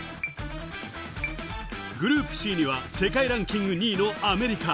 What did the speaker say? グループＣには世界ランキング２位のアメリカ。